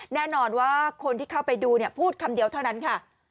แน่นอนว่าคนที่เข้าไปดูพูดคำเดียวเท่านั้นค่ะ